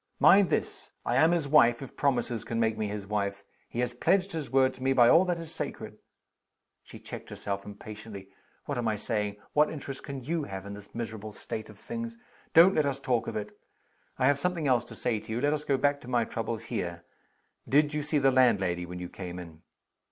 "Mind this! I am his wife, if promises can make me his wife! He has pledged his word to me by all that is sacred!" She checked herself impatiently. "What am I saying? What interest can you have in this miserable state of things? Don't let us talk of it! I have something else to say to you. Let us go back to my troubles here. Did you see the landlady when you came in?"